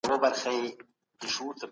هغه اوس د خپل ژوند له سعادت څخه خوند اخلي.